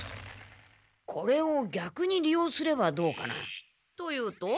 これをぎゃくに利用すればどうかな？というと？